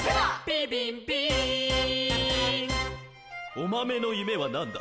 「おまめのゆめはなんだ？」